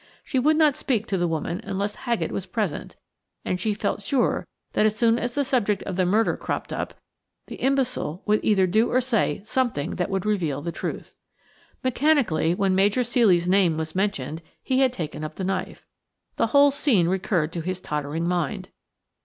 She would not speak to the woman unless Haggett was present, and she felt sure that as soon as the subject of the murder cropped up, the imbecile would either do or say something that would reveal the truth. Mechanically, when Major Ceely's name was mentioned, he had taken up the knife. The whole scene recurred to his tottering mind.